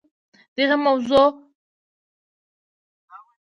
دغې موضوع په ملاتړ خپلولو کې محوري رول درلود